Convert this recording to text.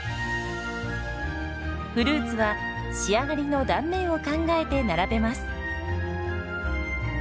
フルーツは仕上がりの断面を考えて並べます。